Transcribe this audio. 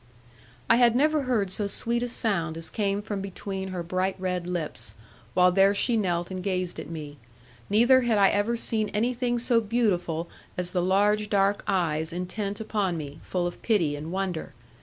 I had never heard so sweet a sound as came from between her bright red lips, while there she knelt and gazed at me; neither had I ever seen anything so beautiful as the large dark eyes intent upon me, full of pity and wonder.